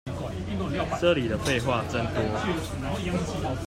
這裡的廢話真多